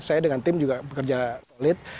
saya dengan tim juga bekerja solid